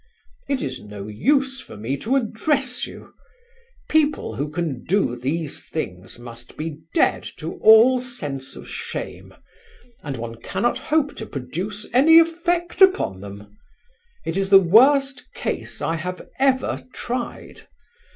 "It is no use for me to address you. People who can do these things must be dead to all sense of shame, and one cannot hope to produce any effect upon them. It is the worst case I have ever tried....